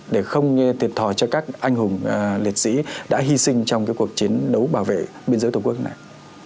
để không thiệt thòi cho các anh hùng liệt sĩ đã hy sinh trong cuộc chiến đấu bảo vệ biên giới tổ quốc này